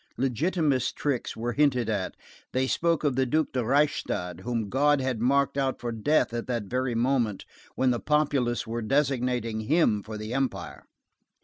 Legitimist tricks were hinted at; they spoke of the Duc de Reichstadt, whom God had marked out for death at that very moment when the populace were designating him for the Empire.